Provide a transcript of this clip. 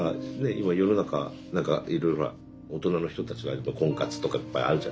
今世の中何かいろいろ大人の人たちがやっぱ婚活とかいっぱいあるじゃないですか。